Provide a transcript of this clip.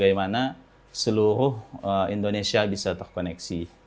bagaimana seluruh indonesia bisa terkoneksi